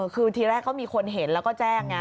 คือทีแรกก็มีคนเห็นแล้วก็แจ้งไง